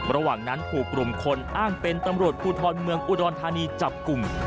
ระหว่างนั้นถูกกลุ่มคนอ้างเป็นตำรวจภูทรเมืองอุดรธานีจับกลุ่ม